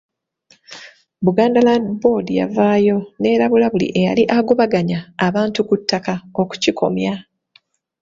Buganda Land Board yavaayo n'erabula buli eyali agobaganya abantu ku ttaka okukikomya.